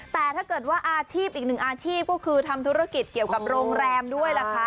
แต่ถ้าเกิดว่าอาชีพอีกหนึ่งอาชีพก็คือทำธุรกิจเกี่ยวกับโรงแรมด้วยล่ะคะ